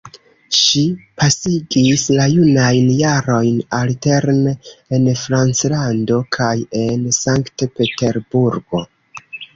Ŝi pasigis la junajn jarojn alterne en Franclando kaj en Sankt Peterburgo.